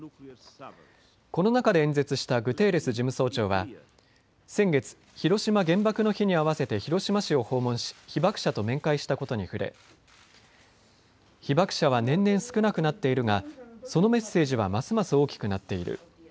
この中で演説したグテーレス事務総長は、先月、広島原爆の日に合わせて広島市を訪問し被爆者と面会したことに触れ、被爆者は年々少なくなっているがそのメッセージはますます大きくなっている。